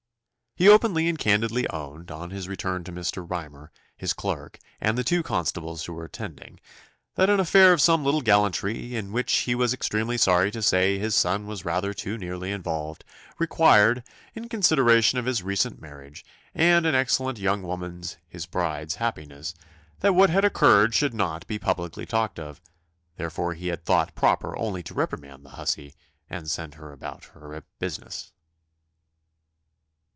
He openly and candidly owned, on his return to Mr. Rymer, his clerk, and the two constables who were attending, "that an affair of some little gallantry, in which he was extremely sorry to say his son was rather too nearly involved, required, in consideration of his recent marriage, and an excellent young woman's (his bride's) happiness, that what had occurred should not be publicly talked of; therefore he had thought proper only to reprimand the hussy, and send her about her business."